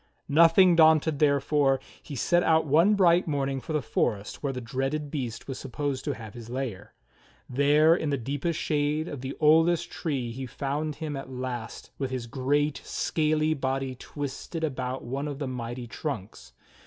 Nothing daunted, therefore, he set out one bright morning for the forest where the dreaded beast was supposed to have his lair. There in the deepest shade of the oldest trees he found him at last with his great, scaly body twisted about one of the mighty trunks.